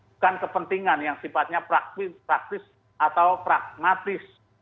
bukan kepentingan yang sifatnya praktis atau pragmatis